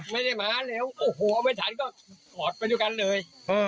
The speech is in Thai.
ไม่ได้มาเร็วโอ้โหเอาไม่ทันก็ถอดไปด้วยกันเลย